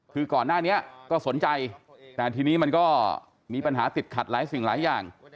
คือก่อนหน้านี้ก็สนใจแต่ทีนี้มันก็มีปัญหาติดขัดหลายสิ่งหลายอย่าง